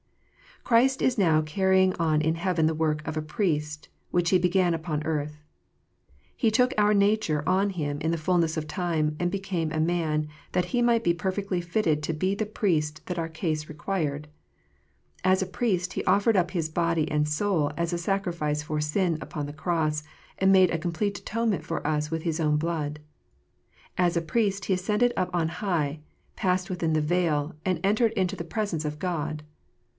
Christ is now carrying on in heaven the work of a Priest, which He began upon earth. He took our nature on Him in the fulness of time, and became a man, that He might be perfectly fitted to be the Priest that our case required. As a Priest, He offered up His body and soul as a sacrifice for sin upon the cross, and made a complete atonement for us with His own blood. As a Priest, He ascended up on high, passed within the veil, and entered into the presence of God.